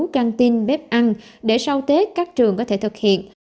căng tin bếp ăn để sau tết các trường có thể thực hiện